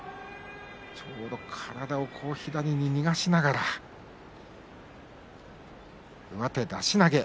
体を左に逃がしながら上手出し投げ。